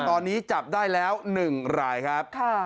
ตอนนี้จับได้แล้ว๑รายครับ